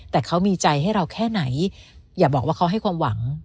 แต่เขามีใจให้เราแค่ไหนอย่าบอกว่าเขาให้ความหวัง